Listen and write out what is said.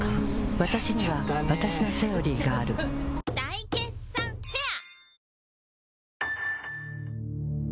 わたしにはわたしの「セオリー」がある大決算フェア